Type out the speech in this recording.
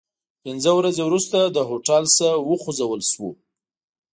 پنځه ورځې وروسته له هوټل نه وخوځول شوو.